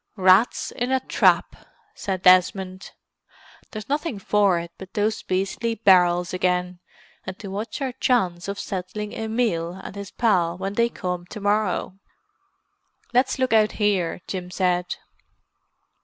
"Rats in a trap!" said Desmond. "There's nothing for it but those beastly barrels again—and to watch our chance of settling Emil and his pal when they come to morrow." "Let's look out here," Jim said.